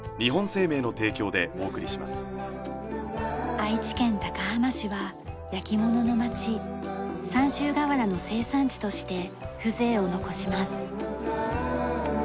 愛知県高浜市は焼き物の街三州瓦の生産地として風情を残します。